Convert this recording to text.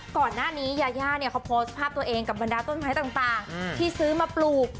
ก่อนหน้านี้ยาย่าเนี่ยเขาโพสต์ภาพตัวเองกับบรรดาต้นไม้ต่างที่ซื้อมาปลูก